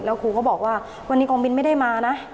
แล้วครูก็บอกว่าวันนี้กองบินไม่ได้มานะ